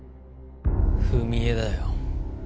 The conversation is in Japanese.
踏み絵だよ。